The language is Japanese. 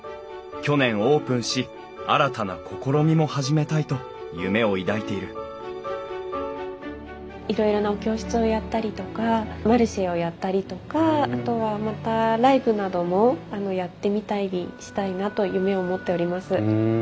去年オープンし新たな試みも始めたいと夢を抱いているいろいろなお教室をやったりとかマルシェをやったりとかあとはまたライブなどもやってみたりしたいなと夢を持っております。